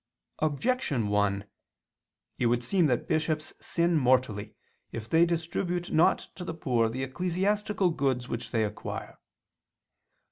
Objection 1: It would seem that bishops sin mortally if they distribute not to the poor the ecclesiastical goods which they acquire.